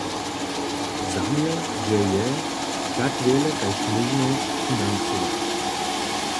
Zaměr dźě je, tak wjele kaž móžno financować.